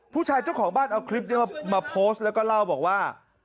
เจ้าของบ้านเอาคลิปนี้มาโพสต์แล้วก็เล่าบอกว่า